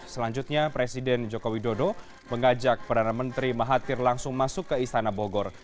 selanjutnya presiden joko widodo mengajak perdana menteri mahathir langsung masuk ke istana bogor